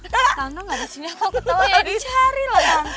tante gak ada sinyal kok kau tahu ya dicari lah tante